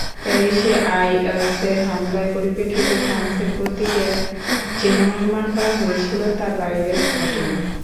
প্যারিসে আইএসের হামলার পরিপ্রেক্ষিতে ফ্রান্সের প্রতিক্রিয়া যেমন অনুমান করা হয়েছিল, তার বাইরে ঘটেনি।